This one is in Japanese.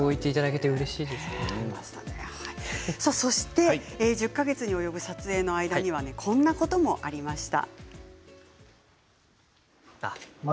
そして１０か月に及ぶ撮影の間にはこんなこともありました。